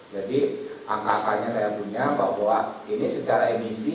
angka angkanya saya punya bahwa ini secara emisi